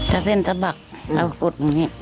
ถ้าเส้นสะบักเราก็กดตรงนี้